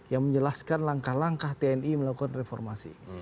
yang menjelaskan langkah langkah tni melakukan reformasi